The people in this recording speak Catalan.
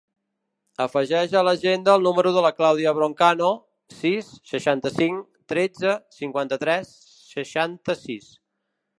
Afegeix a l'agenda el número de la Clàudia Broncano: sis, seixanta-cinc, tretze, cinquanta-tres, seixanta-sis.